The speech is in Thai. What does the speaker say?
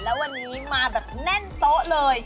แล้ววันนี้มาแบบแน่นโต๊ะเลย